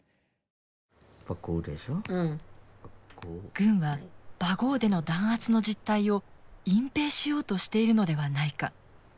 軍はバゴーでの弾圧の実態を隠蔽しようとしているのではないか。